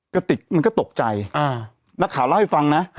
กระติกมันก็ตกใจนักข่าวเล่าให้ฟังนะ